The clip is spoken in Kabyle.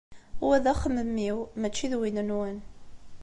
Wa d axemmem-iw mačči d win-nwen.